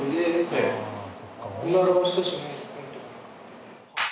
えっ？